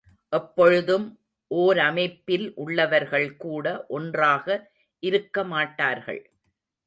எப்பொழுதும் ஓரமைப்பில் உள்ளவர்கள் கூட ஒன்றாக இருக்கமாட்டார்கள்.